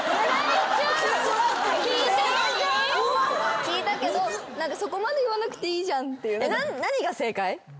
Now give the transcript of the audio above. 聞いたけどそこまで言わなくていいじゃんって。